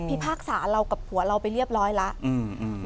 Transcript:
พี่ภาคสาเรากับผัวเราไปเรียบร้อยแล้ว